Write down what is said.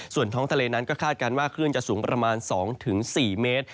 ส่วนท้องทะเลนั้นก็คาดการณ์ว่าคลื่นจะสูงประมาณ๒๔เมตร